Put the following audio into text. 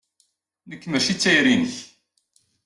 Nekk mačči d tayri-inek.